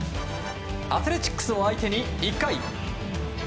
アスレチックスを相手に１回。